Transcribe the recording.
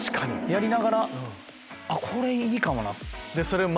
やりながらこれいいかもな。